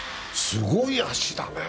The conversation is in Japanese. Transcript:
すごい足だね。